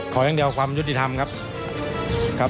ขออย่างเดียวความยุติธรรมครับ